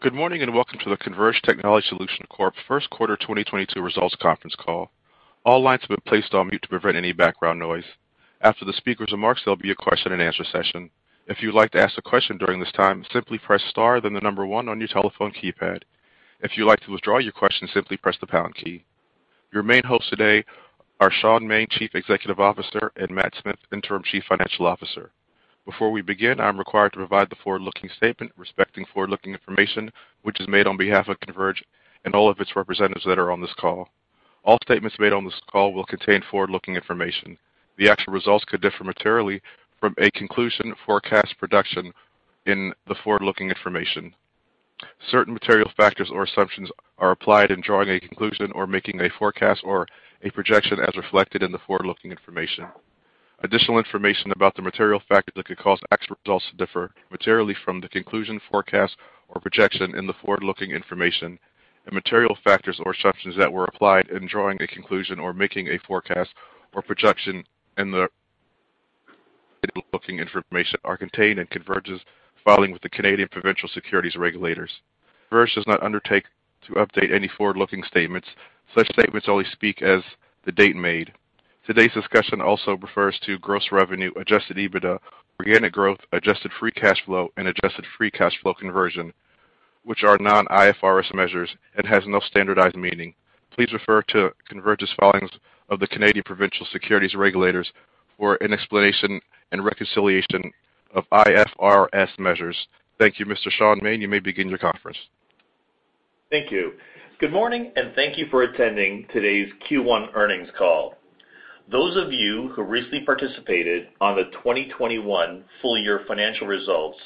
Good morning, and welcome to the Converge Technology Solutions Corp. first quarter 2022 results conference call. All lines have been placed on mute to prevent any background noise. After the speaker's remarks, there'll be a question-and-answer session. If you'd like to ask a question during this time, simply press star then the number one on your telephone keypad. If you'd like to withdraw your question, simply press the pound key. Your main hosts today are Shaun Maine, Chief Executive Officer, and Matthew Smith, Interim Chief Financial Officer. Before we begin, I'm required to provide the forward-looking statement respecting forward-looking information which is made on behalf of Converge and all of its representatives that are on this call. All statements made on this call will contain forward-looking information. The actual results could differ materially from conclusions, forecasts, projections in the forward-looking information. Certain material factors or assumptions are applied in drawing a conclusion or making a forecast or a projection as reflected in the forward-looking information. Additional information about the material factors that could cause actual results to differ materially from the conclusion, forecast, or projection in the forward-looking information and material factors or assumptions that were applied in drawing a conclusion or making a forecast or projection in the forward-looking information are contained in Converge's filing with the Canadian provincial securities regulators. Converge does not undertake to update any forward-looking statements. Such statements only speak as of the date made. Today's discussion also refers to gross revenue, adjusted EBITDA, organic growth, adjusted free cash flow, and adjusted free cash flow conversion, which are non-IFRS measures and have no standardized meaning. Please refer to Converge's filings with the Canadian provincial securities regulators for an explanation and reconciliation of IFRS measures. Thank you. Mr. Shaun Maine, you may begin your conference. Thank you. Good morning, and thank you for attending today's Q1 earnings call. Those of you who recently participated on the 2021 full-year financial results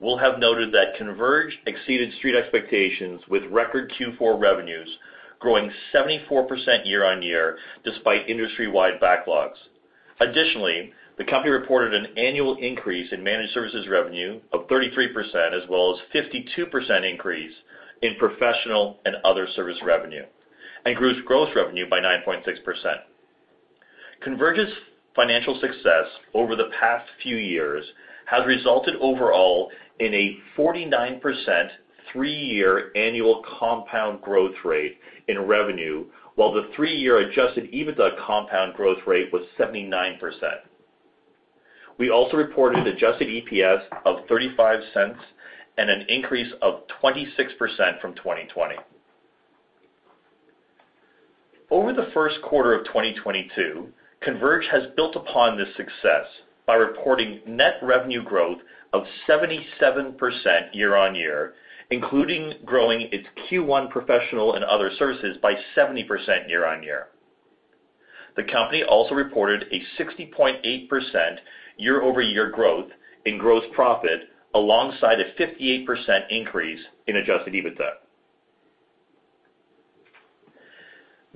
will have noted that Converge exceeded street expectations with record Q4 revenues growing 74% year-on-year despite industry-wide backlogs. Additionally, the company reported an annual increase in managed services revenue of 33% as well as 52% increase in professional and other service revenue, and grew its gross revenue by 9.6%. Converge's financial success over the past few years has resulted overall in a 49% three-year annual compound growth rate in revenue, while the three-year adjusted EBITDA compound growth rate was 79%. We also reported adjusted EPS of 0.35 and an increase of 26% from 2020. Over the first quarter of 2022, Converge has built upon this success by reporting net revenue growth of 77% year-on-year, including growing its Q1 professional and other services by 70% year-on-year. The company also reported a 60.8% year-over-year growth in gross profit alongside a 58% increase in adjusted EBITDA.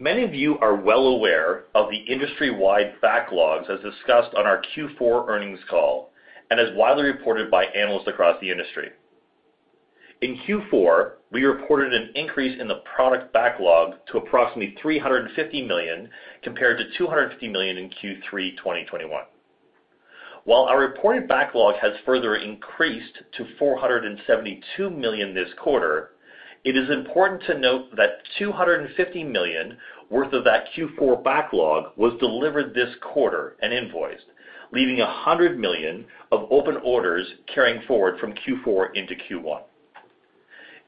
Many of you are well aware of the industry-wide backlogs as discussed on our Q4 earnings call and as widely reported by analysts across the industry. In Q4, we reported an increase in the product backlog to approximately 350 million compared to 250 million in Q3 2021. While our reported backlog has further increased to 472 million this quarter, it is important to note that 250 million worth of that Q4 backlog was delivered this quarter and invoiced, leaving 100 million of open orders carrying forward from Q4 into Q1.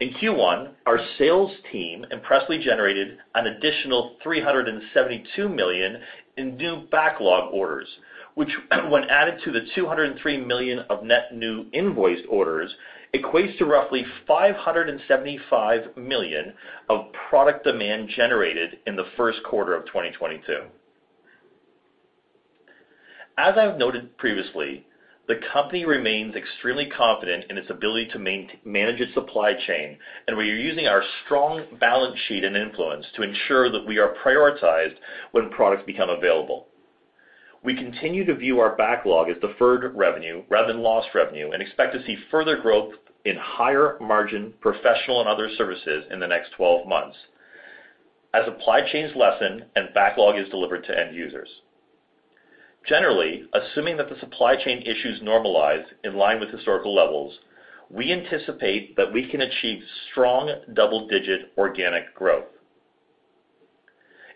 In Q1, our sales team impressively generated an additional 372 million in new backlog orders, which when added to the 203 million of net new invoiced orders, equates to roughly 575 million of product demand generated in the first quarter of 2022. As I've noted previously, the company remains extremely confident in its ability to manage its supply chain, and we are using our strong balance sheet and influence to ensure that we are prioritized when products become available. We continue to view our backlog as deferred revenue rather than lost revenue, and expect to see further growth in higher margin professional and other services in the next 12 months as supply chains lessen and backlog is delivered to end users. Generally, assuming that the supply chain issues normalize in line with historical levels, we anticipate that we can achieve strong double-digit organic growth.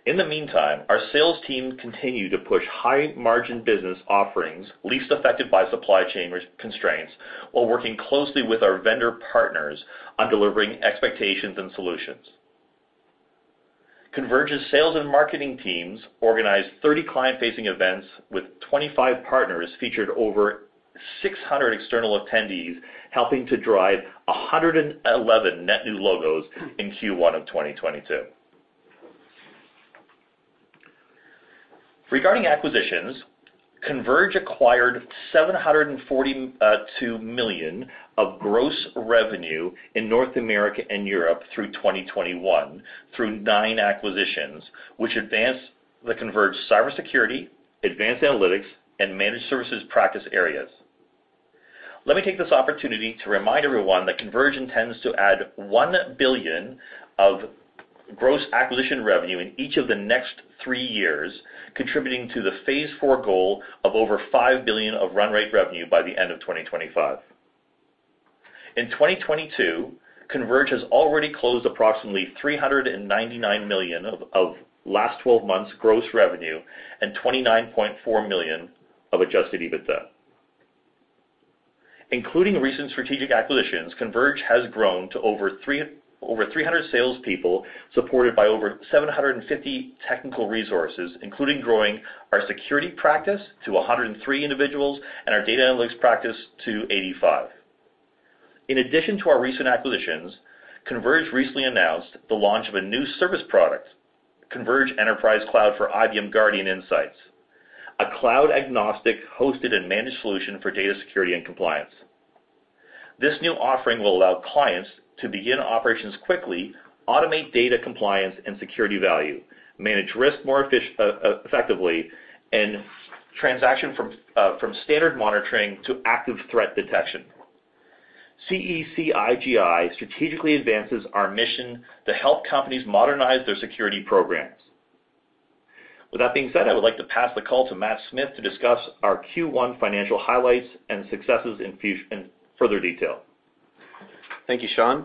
In the meantime, our sales teams continue to push high-margin business offerings least affected by supply chain constraints while working closely with our vendor partners on delivering expectations and solutions. Converge's sales and marketing teams organized 30 client-facing events with 25 partners featured over 600 external attendees, helping to drive 111 net new logos in Q1 of 2022. Regarding acquisitions, Converge acquired 742 million of gross revenue in North America and Europe through 2021 through nine acquisitions, which advanced the Converge cybersecurity, advanced analytics, and managed services practice areas. Let me take this opportunity to remind everyone that Converge intends to add 1 billion of gross acquisition revenue in each of the next three years, contributing to the phase four goal of over 5 billion of run rate revenue by the end of 2025. In 2022, Converge has already closed approximately 399 million of last twelve months gross revenue and 29.4 million of adjusted EBITDA. Including recent strategic acquisitions, Converge has grown to over 300 salespeople, supported by over 750 technical resources, including growing our security practice to 103 individuals and our data analytics practice to 85. In addition to our recent acquisitions, Converge recently announced the launch of a new service product, Converge Enterprise Cloud for IBM Guardium Insights, a cloud-agnostic, hosted, and managed solution for data security and compliance. This new offering will allow clients to begin operations quickly, automate data compliance and security value, manage risk more effectively, and transition from standard monitoring to active threat detection. CEC-IGI strategically advances our mission to help companies modernize their security programs. With that being said, I would like to pass the call to Matthew Smith to discuss our Q1 financial highlights and successes in further detail. Thank you, Shaun.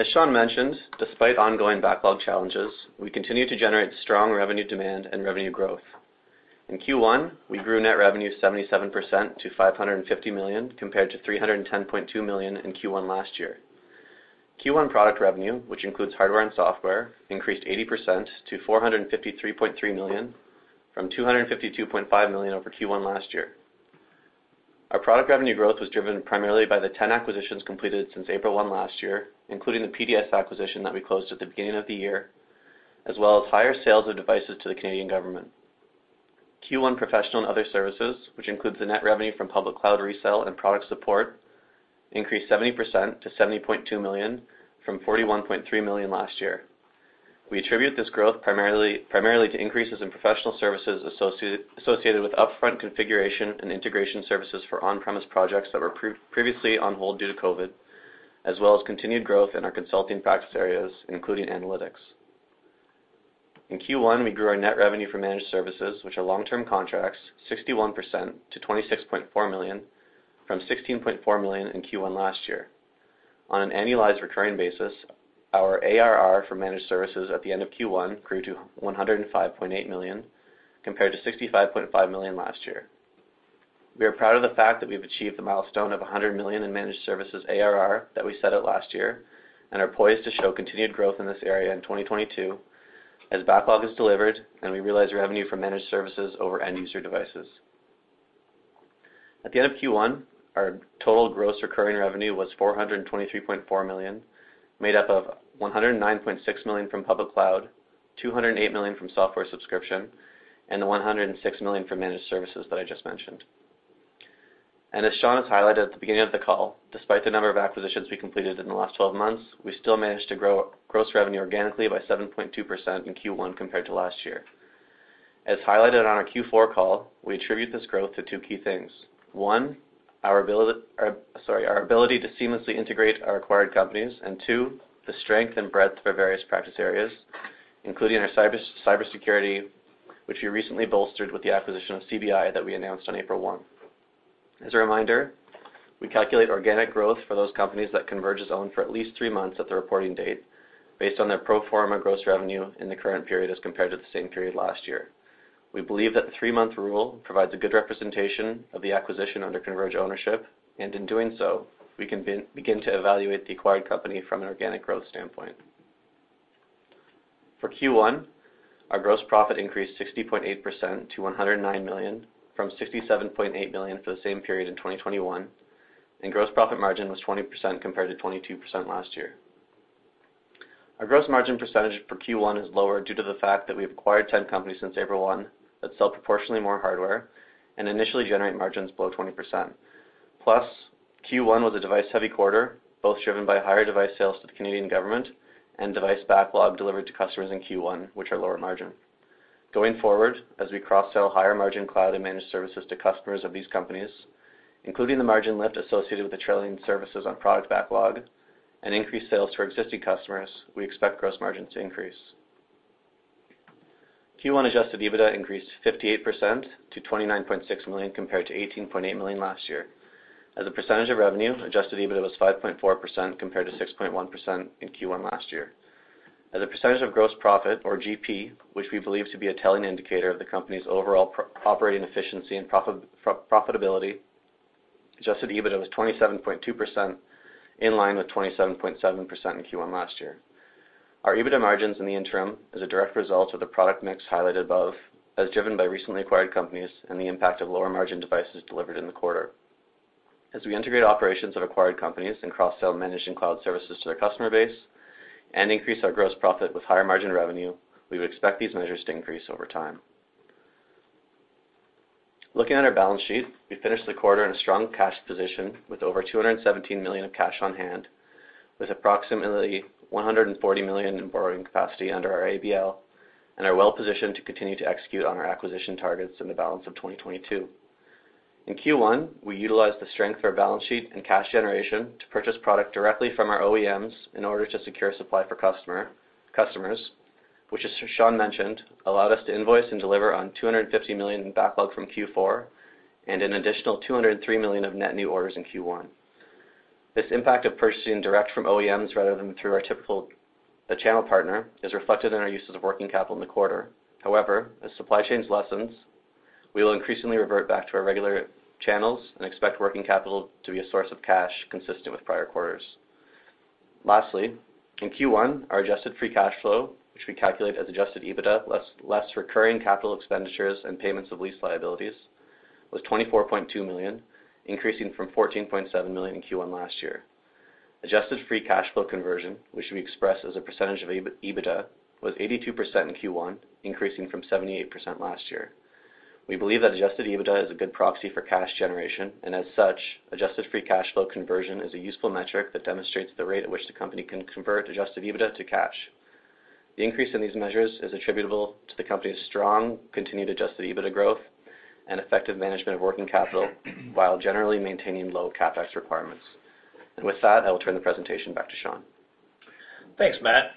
As Shaun mentioned, despite ongoing backlog challenges, we continue to generate strong revenue demand and revenue growth. In Q1, we grew net revenue 77% to 550 million, compared to 310.2 million in Q1 last year. Q1 product revenue, which includes hardware and software, increased 80% to 453.3 million, from 252.5 million over Q1 last year. Our product revenue growth was driven primarily by the 10 acquisitions completed since April 1 last year, including the PDS acquisition that we closed at the beginning of the year, as well as higher sales of devices to the Canadian government. Q1 professional and other services, which includes the net revenue from public cloud resale and product support, increased 70% to 70.2 million from 41.3 million last year. We attribute this growth primarily to increases in professional services associated with upfront configuration and integration services for on-premise projects that were previously on hold due to COVID, as well as continued growth in our consulting practice areas, including analytics. In Q1, we grew our net revenue for managed services, which are long-term contracts, 61% to 26.4 million, from 16.4 million in Q1 last year. On an annualized recurring basis, our ARR for managed services at the end of Q1 grew to 105.8 million, compared to 65.5 million last year. We are proud of the fact that we have achieved the milestone of 100 million in managed services ARR that we set out last year and are poised to show continued growth in this area in 2022 as backlog is delivered and we realize revenue from managed services over end-user devices. At the end of Q1, our total gross recurring revenue was 423.4 million, made up of 109.6 million from public cloud, 208 million from software subscription, and the 106 million from managed services that I just mentioned. As Sean has highlighted at the beginning of the call, despite the number of acquisitions we completed in the last 12 months, we still managed to grow gross revenue organically by 7.2% in Q1 compared to last year. As highlighted on our Q4 call, we attribute this growth to two key things. One, our ability to seamlessly integrate our acquired companies, and two, the strength and breadth of our various practice areas, including our cybersecurity, which we recently bolstered with the acquisition of CBI that we announced on April one. As a reminder, we calculate organic growth for those companies that Converge has owned for at least three months at the reporting date based on their pro forma gross revenue in the current period as compared to the same period last year. We believe that the three-month rule provides a good representation of the acquisition under Converge ownership, and in doing so, we can begin to evaluate the acquired company from an organic growth standpoint. For Q1, our gross profit increased 60.8% to 109 million from 67.8 million for the same period in 2021, and gross profit margin was 20% compared to 22% last year. Our gross margin percentage for Q1 is lower due to the fact that we have acquired 10 companies since April one that sell proportionally more hardware and initially generate margins below 20%. Q1 was a device-heavy quarter, both driven by higher device sales to the Canadian government and device backlog delivered to customers in Q1, which are lower margin. Going forward, as we cross-sell higher-margin cloud and managed services to customers of these companies, including the margin lift associated with the trailing services on product backlog and increased sales to our existing customers, we expect gross margin to increase. Q1 adjusted EBITDA increased 58% to 29.6 million compared to 18.8 million last year. As a percentage of revenue, adjusted EBITDA was 5.4% compared to 6.1% in Q1 last year. As a percentage of gross profit or GP, which we believe to be a telling indicator of the company's overall operating efficiency and profitability, adjusted EBITDA was 27.2%, in line with 27.7% in Q1 last year. Our EBITDA margins in the interim is a direct result of the product mix highlighted above as driven by recently acquired companies and the impact of lower-margin devices delivered in the quarter. As we integrate operations of acquired companies and cross-sell managed and cloud services to their customer base and increase our gross profit with higher-margin revenue, we would expect these measures to increase over time. Looking at our balance sheet, we finished the quarter in a strong cash position with over 217 million of cash on hand, with approximately 140 million in borrowing capacity under our ABL, and are well positioned to continue to execute on our acquisition targets in the balance of 2022. In Q1, we utilized the strength of our balance sheet and cash generation to purchase product directly from our OEMs in order to secure supply for customers, which, as Sean mentioned, allowed us to invoice and deliver on 250 million in backlog from Q4 and an additional 203 million of net new orders in Q1. This impact of purchasing direct from OEMs rather than through our typical channel partner is reflected in our uses of working capital in the quarter. However, as supply chains lessens, we will increasingly revert back to our regular channels and expect working capital to be a source of cash consistent with prior quarters. Lastly, in Q1, our adjusted free cash flow, which we calculate as adjusted EBITDA less recurring capital expenditures and payments of lease liabilities, was 24.2 million, increasing from 14.7 million in Q1 last year. Adjusted free cash flow conversion, which we express as a percentage of EBITDA, was 82% in Q1, increasing from 78% last year. We believe that adjusted EBITDA is a good proxy for cash generation, and as such, adjusted free cash flow conversion is a useful metric that demonstrates the rate at which the company can convert adjusted EBITDA to cash. The increase in these measures is attributable to the company's strong continued adjusted EBITDA growth and effective management of working capital while generally maintaining low CapEx requirements. With that, I will turn the presentation back to Shaun. Thanks, Matt.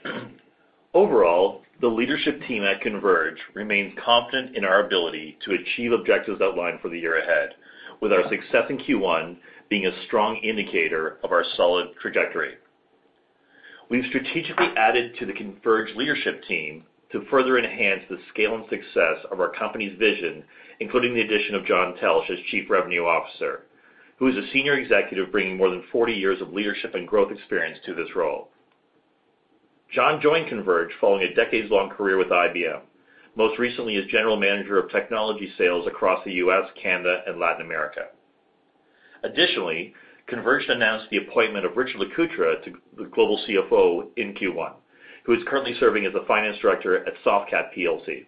Overall, the leadership team at Converge remains confident in our ability to achieve objectives outlined for the year ahead, with our success in Q1 being a strong indicator of our solid trajectory. We've strategically added to the Converge leadership team to further enhance the scale and success of our company's vision, including the addition of John Teltsch as Chief Revenue Officer, who is a senior executive bringing more than 40 years of leadership and growth experience to this role. John joined Converge following a decades-long career with IBM, most recently as General Manager of Technology Sales across the U.S., Canada, and Latin America. Additionally, Converge announced the appointment of Richard Lecoutre as Global CFO in Q1, who is currently serving as the Finance Director at Softcat plc.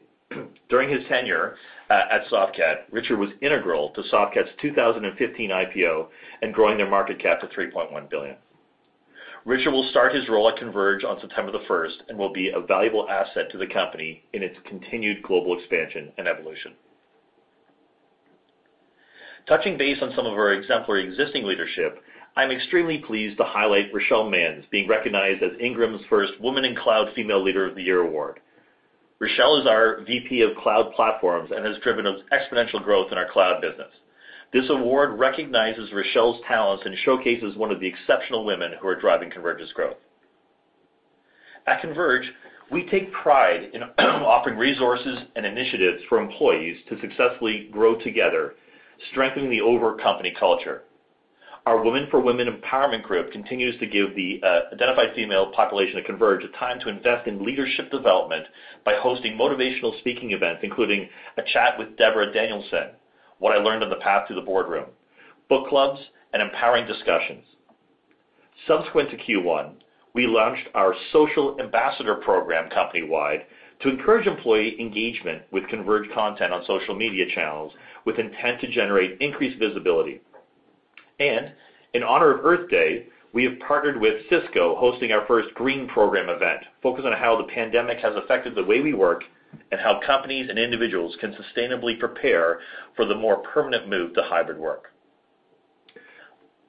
During his tenure at Softcat, Richard was integral to Softcat's 2015 IPO and growing their market cap to 3.1 billion. Richard will start his role at Converge on September 1 and will be a valuable asset to the company in its continued global expansion and evolution. Touching base on some of our exemplary existing leadership, I'm extremely pleased to highlight Rochelle Manns being recognized as Ingram's first Women in Cloud Female Leader of the Year Award. Rochelle is our VP of Cloud Platforms and has driven us exponential growth in our cloud business. This award recognizes Rochelle's talents and showcases one of the exceptional women who are driving Converge's growth. At Converge, we take pride in offering resources and initiatives for employees to successfully grow together, strengthening the overall company culture. Our Women for Women empowerment group continues to give the identified female population at Converge a time to invest in leadership development by hosting motivational speaking events, including a chat with Deborah Danielson, What I Learned on the Path to the Boardroom, book clubs, and empowering discussions. Subsequent to Q1, we launched our social ambassador program company-wide to encourage employee engagement with Converge content on social media channels with intent to generate increased visibility. In honor of Earth Day, we have partnered with Cisco, hosting our first green program event, focused on how the pandemic has affected the way we work and how companies and individuals can sustainably prepare for the more permanent move to hybrid work.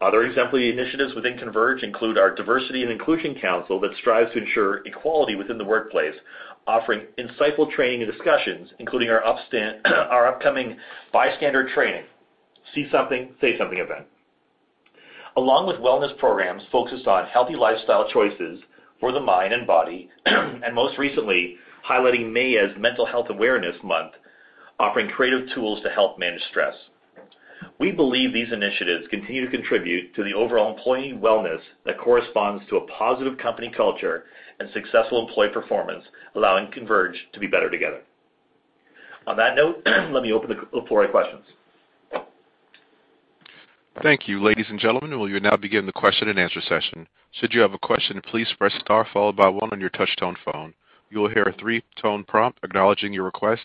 Other exemplary initiatives within Converge include our Diversity and Inclusion Council that strives to ensure equality within the workplace, offering insightful training and discussions, including our upcoming Bystander Training: See Something, Say Something event. Along with wellness programs focused on healthy lifestyle choices for the mind and body and most recently, highlighting May as Mental Health Awareness Month, offering creative tools to help manage stress. We believe these initiatives continue to contribute to the overall employee wellness that corresponds to a positive company culture and successful employee performance, allowing Converge to be better together. On that note, let me open the floor for questions. Thank you. Ladies and gentlemen, we will now begin the question-and-answer session. Should you have a question, please press star followed by one on your touch tone phone. You will hear a three-tone prompt acknowledging your request,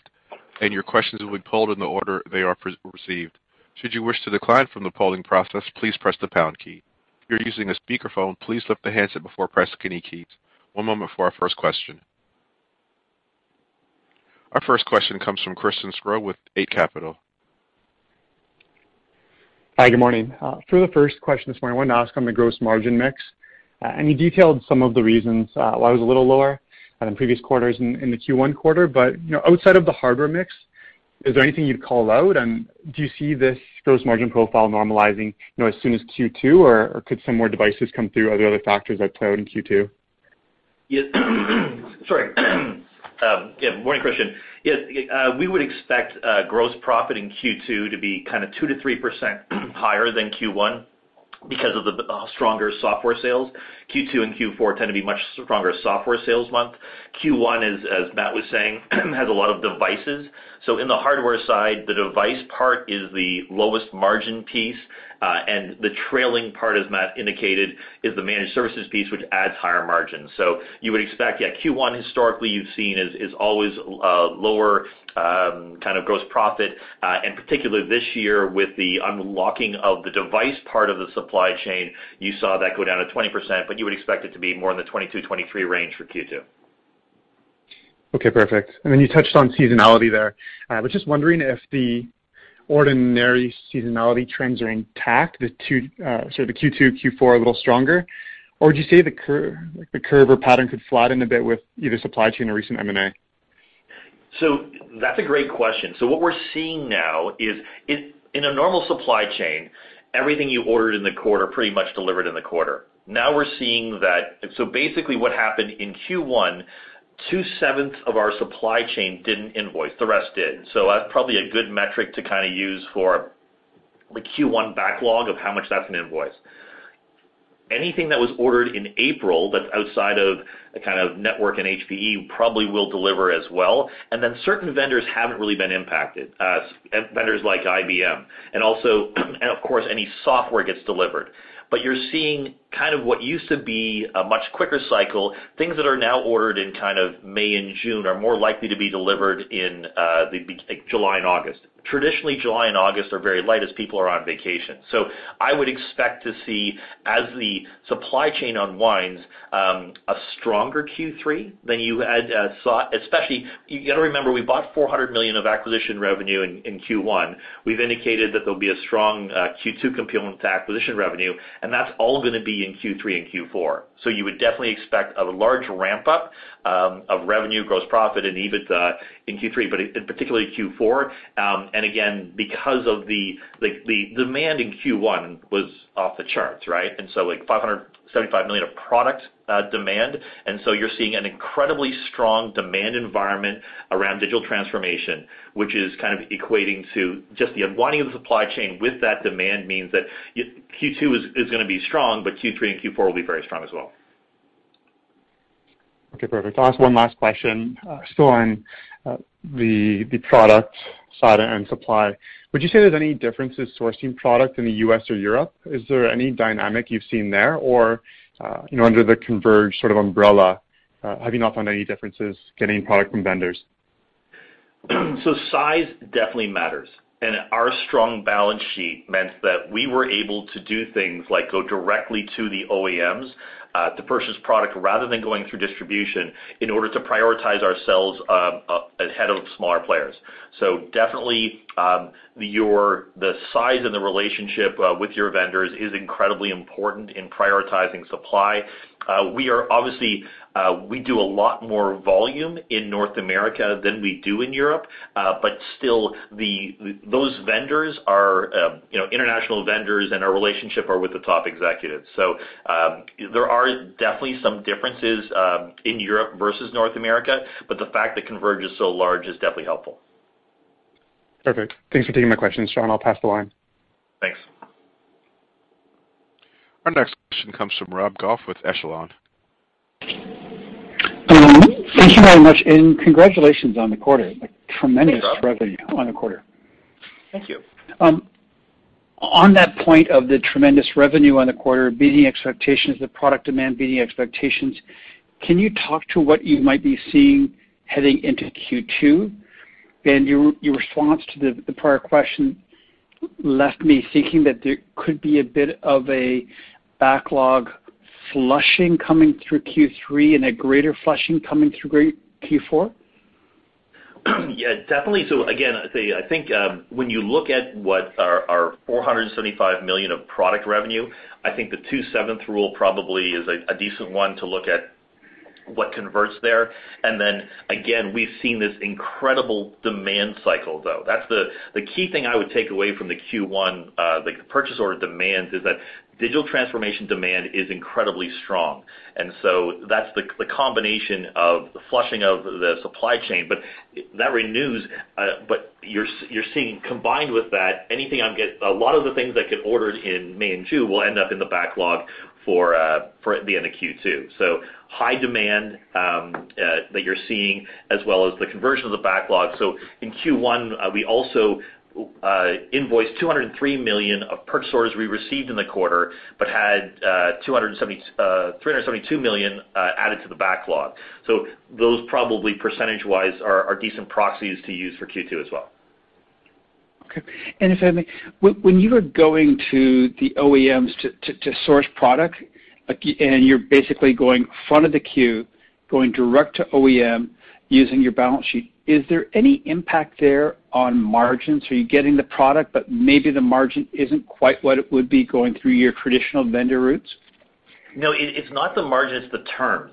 and your questions will be polled in the order they are received. Should you wish to decline from the polling process, please press the pound key. If you're using a speakerphone, please lift the handset before pressing any keys. One moment for our first question. Our first question comes from Christian Sgro with Eight Capital. Hi. Good morning. For the first question this morning, I wanted to ask on the gross margin mix. You detailed some of the reasons why it was a little lower than previous quarters in the Q1 quarter. You know, outside of the hardware mix, is there anything you'd call out? Do you see this gross margin profile normalizing, you know, as soon as Q2, or could some more devices come through? Are there other factors at play in Q2? Sorry. Good morning, Christian. We would expect gross profit in Q2 to be kinda 2%-3% higher than Q1 because of the stronger software sales. Q2 and Q4 tend to be much stronger software sales month. Q1 is, as Matt was saying, has a lot of devices. In the hardware side, the device part is the lowest margin piece, and the trailing part, as Matt indicated, is the managed services piece, which adds higher margins. You would expect Q1 historically you've seen is always lower kind of gross profit. Particularly this year with the unlocking of the device part of the supply chain, you saw that go down to 20%, but you would expect it to be more in the 22%-23% range for Q2. Okay, perfect. You touched on seasonality there. I was just wondering if the ordinary seasonality trends are intact, the two, so the Q2, Q4 a little stronger? Or would you say the curve or pattern could flatten a bit with either supply chain or recent M&A? That's a great question. What we're seeing now is in a normal supply chain, everything you ordered in the quarter pretty much delivered in the quarter. Now we're seeing basically what happened in Q1, two-sevenths of our supply chain didn't invoice, the rest did. That's probably a good metric to kinda use for the Q1 backlog of how much that hasn't invoiced. Anything that was ordered in April that's outside of a kind of network and HPE probably will deliver as well. Then certain vendors haven't really been impacted, vendors like IBM, and also of course any software gets delivered. You're seeing kind of what used to be a much quicker cycle, things that are now ordered in kind of May and June are more likely to be delivered in July and August. Traditionally, July and August are very light as people are on vacation. I would expect to see as the supply chain unwinds, a stronger Q3 than you had thought. Especially, you gotta remember, we bought 400 million of acquisition revenue in Q1. We've indicated that there'll be a strong Q2 component to acquisition revenue, and that's all gonna be in Q3 and Q4. You would definitely expect a large ramp up of revenue, gross profit, and EBITDA in Q3, but in particularly Q4. Again, because of the demand in Q1 was off the charts, right? Like 575 million of product demand. You're seeing an incredibly strong demand environment around digital transformation, which is kind of equating to just the unwinding of the supply chain with that demand, means that Q2 is gonna be strong, but Q3 and Q4 will be very strong as well. Okay, perfect. I'll ask one last question, still on the product side and supply. Would you say there's any difference in sourcing product in the U.S. or Europe? Is there any dynamic you've seen there? Or, you know, under the Converge sort of umbrella, have you not found any differences getting product from vendors? Size definitely matters. Our strong balance sheet meant that we were able to do things like go directly to the OEMs to purchase product rather than going through distribution in order to prioritize ourselves up ahead of smaller players. Definitely, the size of the relationship with your vendors is incredibly important in prioritizing supply. We obviously do a lot more volume in North America than we do in Europe. But still, those vendors are, you know, international vendors, and our relationship are with the top executives. There are definitely some differences in Europe versus North America, but the fact that Converge is so large is definitely helpful. Perfect. Thanks for taking my questions, Shaun. I'll pass the line. Thanks. Our next question comes from Rob Goff with Echelon. Thank you very much, and congratulations on the quarter. Hey, Rob. Revenue on the quarter. Thank you. On that point of the tremendous revenue on the quarter beating expectations, the product demand beating expectations, can you talk to what you might be seeing heading into Q2? Your response to the prior question left me thinking that there could be a bit of a backlog flushing coming through Q3 and a greater flushing coming through Q4. Yeah, definitely. Again, I'd say, I think, when you look at what our 475 million of product revenue, I think the 2/7 rule probably is a decent one to look at what converts there. Then again, we've seen this incredible demand cycle, though. That's the key thing I would take away from the Q1, like purchase order demands is that digital transformation demand is incredibly strong. That's the combination of the flushing of the supply chain. But that renews, but you're seeing combined with that, a lot of the things that get ordered in May and June will end up in the backlog for at the end of Q2. High demand that you're seeing as well as the conversion of the backlog. In Q1, we also invoiced 203 million of purchase orders we received in the quarter, but had 372 million added to the backlog. Those probably percentage-wise are decent proxies to use for Q2 as well. Okay. If I may, when you are going to the OEMs to source product, like, and you're basically going front of the queue, going direct to OEM using your balance sheet, is there any impact there on margins? Are you getting the product, but maybe the margin isn't quite what it would be going through your traditional vendor routes? No, it's not the margin, it's the terms.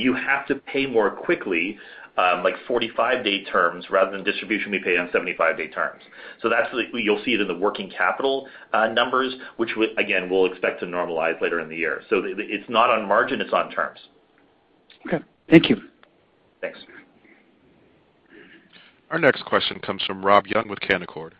You have to pay more quickly, like 45-day terms rather than distributors be paid on 75-day terms. That's the. You'll see it in the working capital numbers, which, again, we'll expect to normalize later in the year. It's not on margin, it's on terms. Okay, thank you. Thanks. Our next question comes from Rob Young with Canaccord.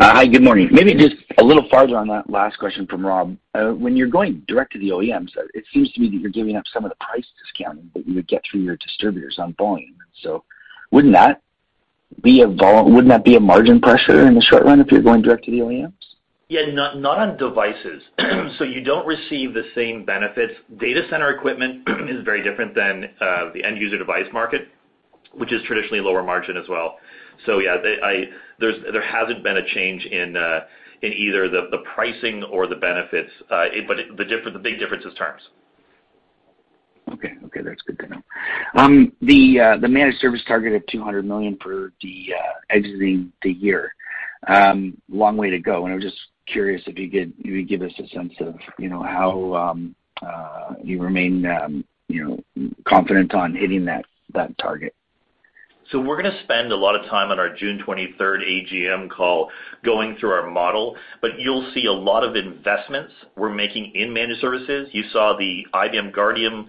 Hi, good morning. Maybe just a little farther on that last question from Rob. When you're going direct to the OEMs, it seems to me that you're giving up some of the price discounting that you would get through your distributors on volume. Wouldn't that be a margin pressure in the short run if you're going direct to the OEMs? Yeah. Not on devices. You don't receive the same benefits. Data center equipment is very different than the end user device market, which is traditionally lower margin as well. Yeah, there hasn't been a change in either the pricing or the benefits. But the big difference is terms. Okay. Okay, that's good to know. The managed service target of 200 million for exiting the year, long way to go, and I'm just curious if you would give us a sense of, you know, how you remain, you know, confident on hitting that target. We're gonna spend a lot of time on our June 23rd AGM call going through our model, but you'll see a lot of investments we're making in managed services. You saw the IBM Guardium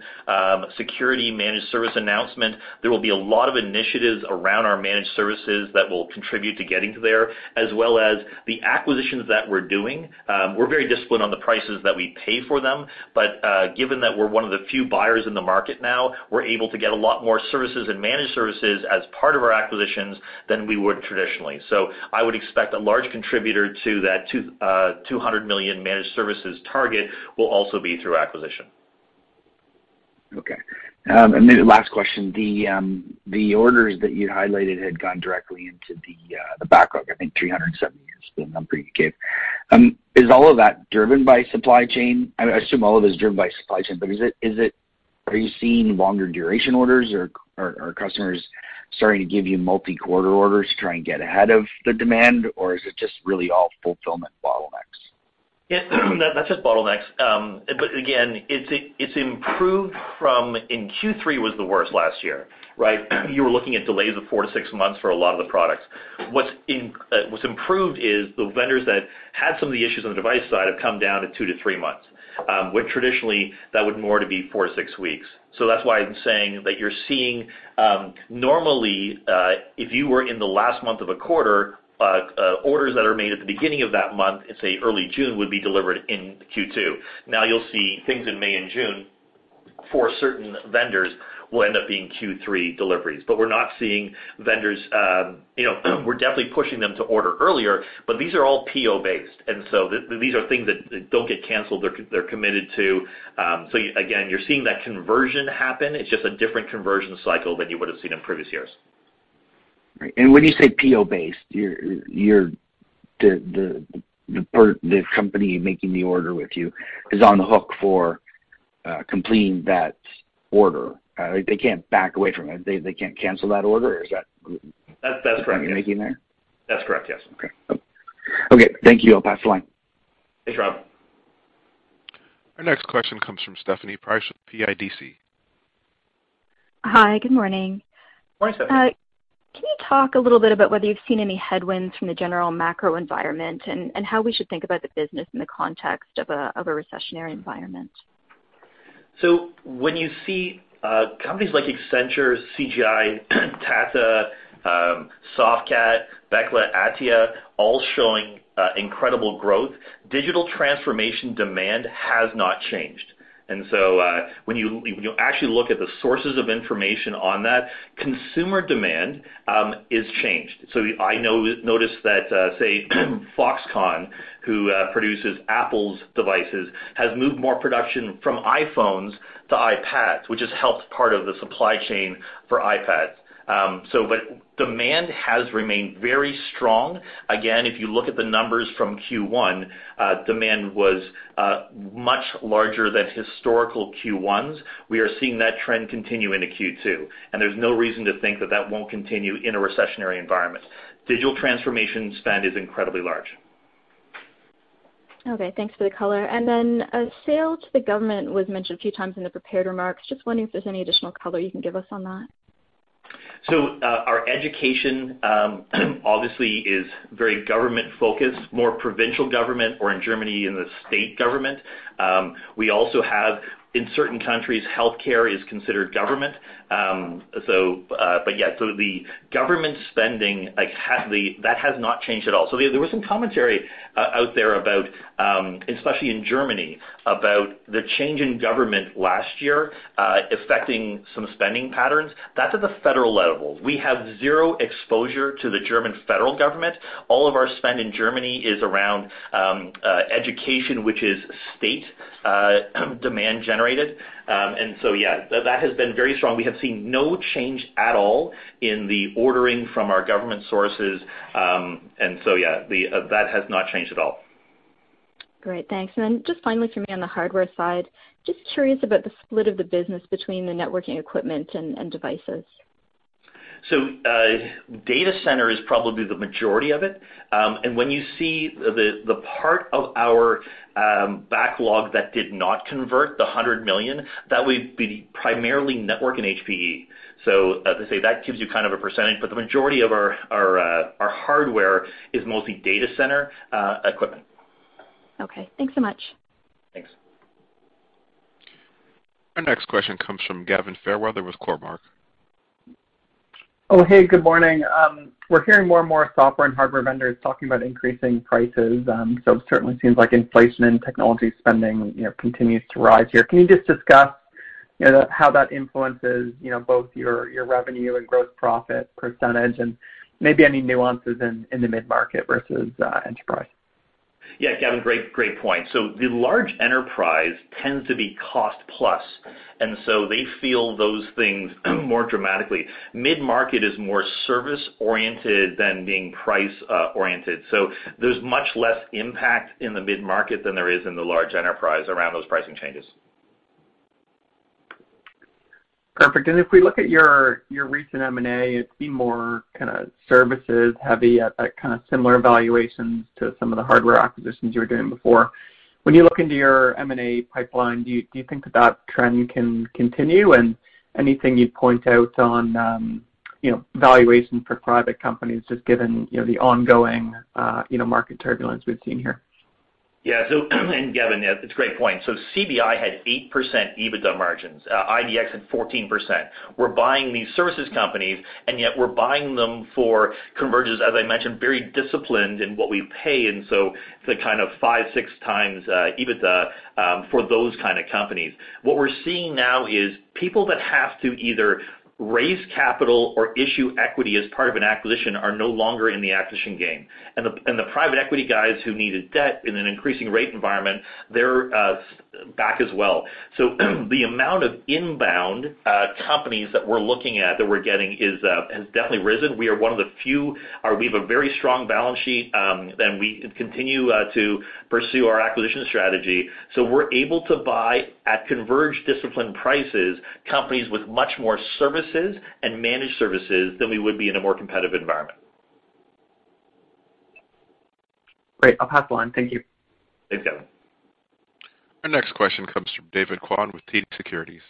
security managed service announcement. There will be a lot of initiatives around our managed services that will contribute to getting to there, as well as the acquisitions that we're doing. We're very disciplined on the prices that we pay for them. Given that we're one of the few buyers in the market now, we're able to get a lot more services and managed services as part of our acquisitions than we would traditionally. I would expect a large contributor to that 200 million managed services target will also be through acquisition. Okay. Last question. The orders that you highlighted had gone directly into the backlog, I think 370 is the number you gave. Is all of that driven by supply chain? I assume all of it is driven by supply chain, but are you seeing longer duration orders or are customers starting to give you multi-quarter orders to try and get ahead of the demand? Or is it just really all fulfillment bottlenecks? Yeah. That's just bottlenecks. Again, it's improved from in Q3, which was the worst last year, right? You were looking at delays of 4 months-6 months for a lot of the products. What's improved is the vendors that had some of the issues on the device side have come down to 2 months-3 months, where traditionally that would normally be 4 weeks-6 weeks. That's why I'm saying that you're seeing, normally, if you were in the last month of a quarter, orders that are made at the beginning of that month, let's say early June, would be delivered in Q2. Now you'll see things in May and June for certain vendors will end up being Q3 deliveries. We're not seeing vendors, you know, we're definitely pushing them to order earlier, but these are all PO-based, and so these are things that don't get canceled. They're committed to. So again, you're seeing that conversion happen. It's just a different conversion cycle than you would have seen in previous years. Right. When you say PO-based, the company making the order with you is on the hook for completing that order. They can't back away from it. They can't cancel that order? Or is that? That's correct. Assumption you're making there? That's correct, yes. Okay. Okay, thank you. I'll pass the line. Thanks, Rob. Our next question comes from Stephanie Price with CIBC. Hi. Good morning. Morning, Stephanie. Can you talk a little bit about whether you've seen any headwinds from the general macro environment and how we should think about the business in the context of a recessionary environment? When you see companies like Accenture, CGI, Tata, Softcat, Bechtle, Atea all showing incredible growth, digital transformation demand has not changed. When you actually look at the sources of information on that, consumer demand is changed. Notice that, say, Foxconn, who produces Apple's devices, has moved more production from iPhones to iPads, which has helped part of the supply chain for iPads. But demand has remained very strong. Again, if you look at the numbers from Q1, demand was much larger than historical Q1s. We are seeing that trend continue into Q2, and there's no reason to think that won't continue in a recessionary environment. Digital transformation spend is incredibly large. Okay, thanks for the color. Sale to the government was mentioned a few times in the prepared remarks. Just wondering if there's any additional color you can give us on that. Our education obviously is very government-focused, more provincial government, or in Germany, in the state government. We also have, in certain countries, healthcare is considered government. The government spending, like, that has not changed at all. There was some commentary out there about, especially in Germany, about the change in government last year, affecting some spending patterns. That's at the federal level. We have zero exposure to the German federal government. All of our spend in Germany is around education, which is state demand generated. That has been very strong. We have seen no change at all in the ordering from our government sources. That has not changed at all. Great. Thanks. Just finally for me on the hardware side, just curious about the split of the business between the networking equipment and devices. Data center is probably the majority of it. When you see the part of our backlog that did not convert, the 100 million, that would be primarily network and HPE. As I say, that gives you kind of a percentage, but the majority of our hardware is mostly data center equipment. Okay. Thanks so much. Thanks. Our next question comes from Gavin Fairweather with Cormark Securities. Oh, hey, good morning. We're hearing more and more software and hardware vendors talking about increasing prices. It certainly seems like inflation and technology spending, you know, continues to rise here. Can you just discuss, you know, how that influences, you know, both your revenue and gross profit percentage and maybe any nuances in the mid-market versus enterprise? Yeah, Gavin, great point. The large enterprise tends to be cost plus, and so they feel those things more dramatically. Mid-market is more service-oriented than being price oriented. There's much less impact in the mid-market than there is in the large enterprise around those pricing changes. Perfect. If we look at your recent M&A, it seems more kinda services heavy at that kind of similar valuations to some of the hardware acquisitions you were doing before. When you look into your M&A pipeline, do you think that trend can continue? Anything you'd point out on, you know, valuation for private companies just given, you know, the ongoing, you know, market turbulence we've seen here? Gavin, it's a great point. CBI had 8% EBITDA margins. IDEX had 14%. We're buying these services companies, and yet we're buying them for Converge, as I mentioned, very disciplined in what we pay, and the kind of 5 times-6 times EBITDA for those kind of companies. What we're seeing now is people that have to either raise capital or issue equity as part of an acquisition are no longer in the acquisition game. The private equity guys who needed debt in an increasing rate environment, they're stepped back as well. The amount of inbound companies that we're looking at, that we're getting has definitely risen. We are one of the few. Or we have a very strong balance sheet, and we continue to pursue our acquisition strategy. We're able to buy, at Converge disciplined prices, companies with much more services and managed services than we would be in a more competitive environment. Great. I'll pass the line. Thank you. Thanks, Gavin. Our next question comes from David Kwan with TD Securities.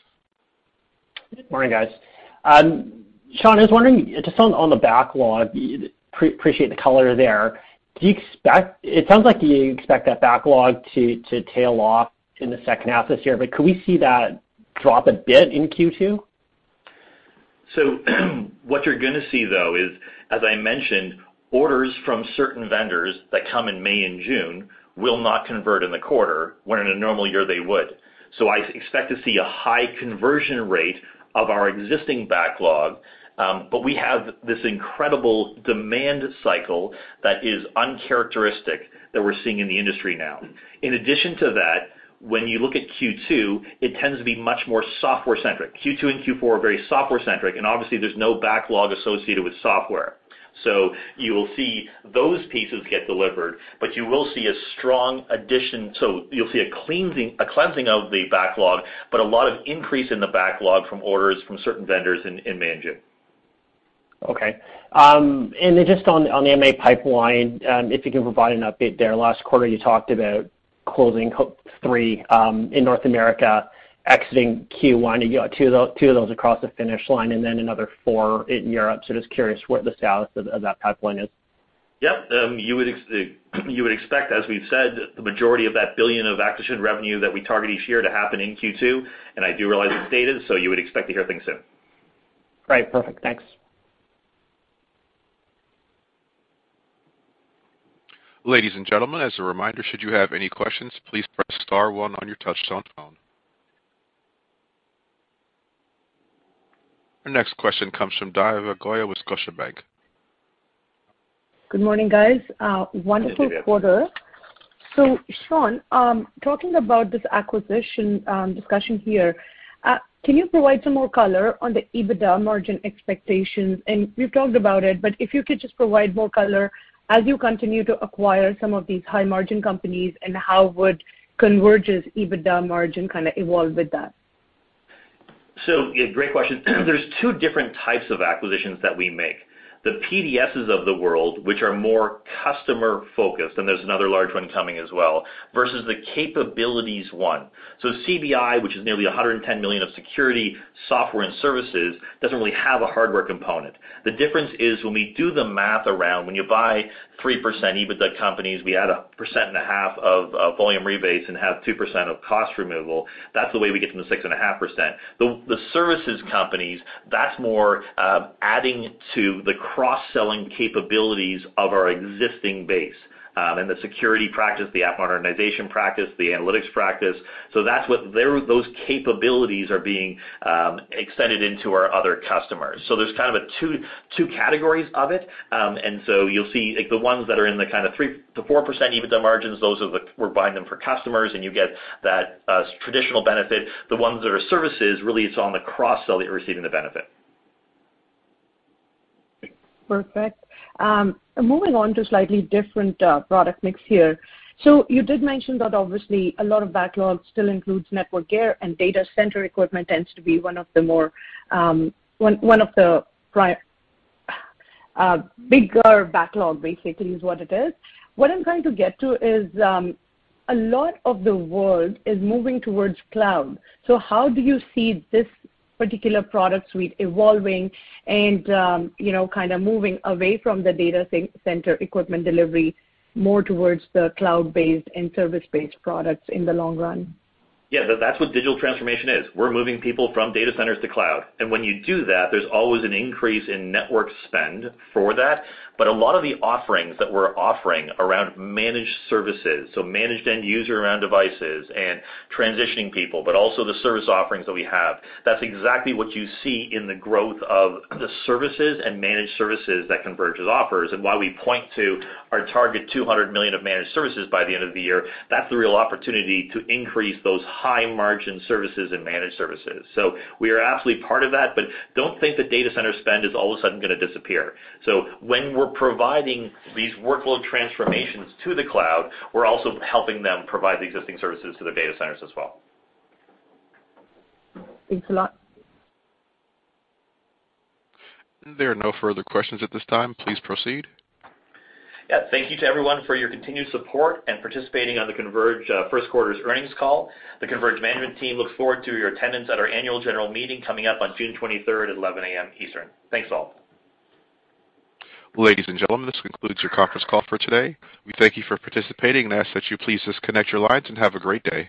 Good morning, guys. Shaun, I was wondering just on the backlog, you'd appreciate the color there. It sounds like you expect that backlog to tail off in the second half this year, but could we see that drop a bit in Q2? What you're gonna see, though, is, as I mentioned, orders from certain vendors that come in May and June will not convert in the quarter when in a normal year they would. I expect to see a high conversion rate of our existing backlog, but we have this incredible demand cycle that is uncharacteristic that we're seeing in the industry now. In addition to that, when you look at Q2, it tends to be much more software-centric. Q2 and Q4 are very software-centric, and obviously there's no backlog associated with software. You'll see those pieces get delivered, but you will see a strong addition. You'll see a cleansing of the backlog, but a lot of increase in the backlog from orders from certain vendors in May and June. Okay. Just on the M&A pipeline, if you can provide an update there. Last quarter, you talked about closing three in North America exiting Q1, and you got two of those across the finish line and then another four in Europe. Just curious what the status of that pipeline is. Yep. You would expect, as we've said, the majority of that 1 billion of acquisition revenue that we target each year to happen in Q2, and I do realize it's dated, so you would expect to hear things soon. Great. Perfect. Thanks. Ladies and gentlemen, as a reminder, should you have any questions, please press star one on your touchtone phone. Our next question comes from Divya Goyal with Scotiabank. Good morning, guys. Wonderful quarter. Good morning, Divya. Sean, talking about this acquisition discussion here, can you provide some more color on the EBITDA margin expectations? You've talked about it, but if you could just provide more color as you continue to acquire some of these high-margin companies, and how would Converge's EBITDA margin kinda evolve with that? Yeah, great question. There's two different types of acquisitions that we make. The PDSs of the world, which are more customer-focused, and there's another large one coming as well, versus the capabilities one. CBI, which is nearly 110 million of security, software, and services, doesn't really have a hardware component. The difference is when we do the math around when you buy 3% EBITDA companies, we add 1.5% of volume rebates and have 2% of cost removal, that's the way we get from the 6.5%. The services companies, that's more adding to the cross-selling capabilities of our existing base and the security practice, the app modernization practice, the analytics practice. That's what those capabilities are being extended into our other customers. There's kind of two categories of it. You'll see, like, the ones that are in the kinda 3%-4% EBITDA margins, those are the ones we're buying for customers and you get that traditional benefit. The ones that are services, really it's on the cross-sell that you're receiving the benefit. Perfect. Moving on to slightly different product mix here. You did mention that obviously a lot of backlogs still includes network gear and data center equipment tends to be one of the bigger backlog basically is what it is. What I'm trying to get to is, a lot of the world is moving towards cloud. How do you see this particular product suite evolving and, you know, kinda moving away from the data center equipment delivery more towards the cloud-based and service-based products in the long run? Yeah, that's what digital transformation is. We're moving people from data centers to cloud. When you do that, there's always an increase in network spend for that. A lot of the offerings that we're offering around managed services, so managed end user around devices and transitioning people, but also the service offerings that we have, that's exactly what you see in the growth of the services and managed services that Converge offers. While we point to our target 200 million of managed services by the end of the year, that's the real opportunity to increase those high-margin services and managed services. We are absolutely part of that, but don't think the data center spend is all of a sudden gonna disappear. When we're providing these workload transformations to the cloud, we're also helping them provide the existing services to their data centers as well. Thanks a lot. There are no further questions at this time. Please proceed. Yeah. Thank you to everyone for your continued support and participating on the Converge first quarter's earnings call. The Converge management team looks forward to your attendance at our annual general meeting coming up on June 23rd at 11 A.M. Eastern. Thanks, all. Ladies and gentlemen, this concludes your conference call for today. We thank you for participating and ask that you please disconnect your lines and have a great day.